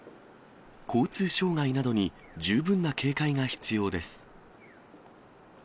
交通障害などに十分な警戒が必要です。